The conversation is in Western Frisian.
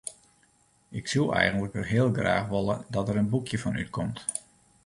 Ik soe eigentlik heel graach wolle dat der in boekje fan útkomt.